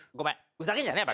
ふざけんじゃねえ。